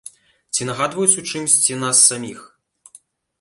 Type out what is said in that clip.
Ці нагадваюць у чымсьці нас саміх?